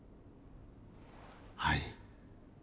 はい。